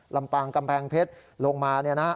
ลำปางกำแพงเพชรลงมาเนี่ยนะฮะ